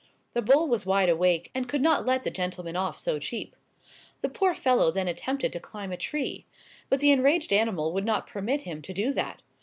The bull was wide awake, and could not let the gentleman off so cheap. The poor fellow then attempted to climb a tree. But the enraged animal would not permit him to do that.